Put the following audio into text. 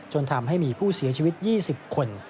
จนทำให้มีผู้เสียชีวิต๒๐คน